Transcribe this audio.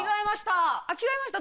着替えました。